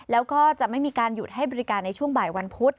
แล้วก็จะไม่มีการหยุดให้บริการในช่วงบ่ายวันพุธ